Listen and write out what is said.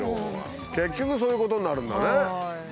結局そういうことになるんだね。